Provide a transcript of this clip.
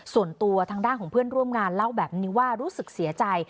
ส่วนตัวทางด้านของเพื่อนร่วมงานเล่าแบบนี้ว่ารู้สึกเสียใจ